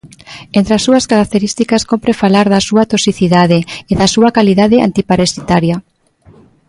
Entre as súas características cómpre falar da súa toxicidade e da súa calidade antiparasitaria.